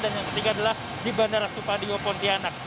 dan yang ketiga adalah di bandara supadio pontianak